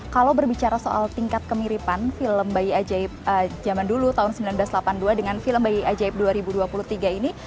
kalau berbicara soal tingkat kemiripan film bayi ajaib zaman dulu tahun seribu sembilan ratus delapan puluh dua dengan film bayi ajaib dua ribu dua puluh tiga ini